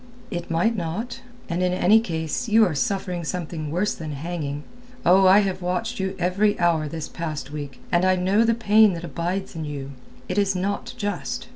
"It might not. And in any case you are suffering something worse than hanging. Oh, I have watched you every hour this past week, and I know the pain that abides in you. It is not just."